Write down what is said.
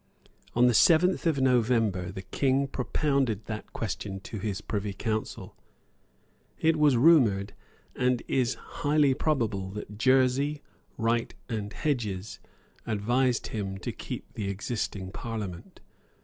On the seventh of November the King propounded that question to his Privy Council. It was rumoured, and is highly probable, that Jersey, Wright and Hedges advised him to keep the existing Parliament.